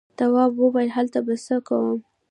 تواب وويل: هلته به څه کوم.